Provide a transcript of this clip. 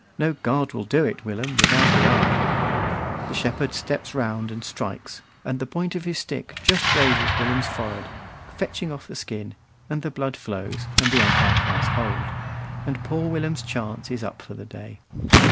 No guard will do it, Willum, without the eye. The shepherd steps round and strikes, and the point of his stick just grazes Willum's forehead, fetching off the skin, and the blood flows, and the umpire cries, "Hold!" and poor Willum's chance is up for the day.